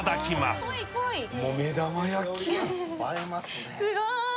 すごーい！